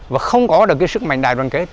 và không có được sức mạnh đài đoàn kết